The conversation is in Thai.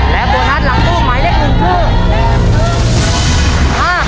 และโบนัสหลังตู้หมายเลข๑คือ